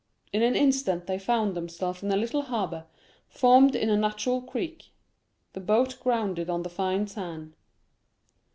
In an instant they found themselves in a little harbor, formed in a natural creek; the boat grounded on the fine sand.